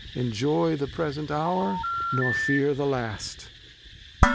Enjoy the present Hour, nor fear the last.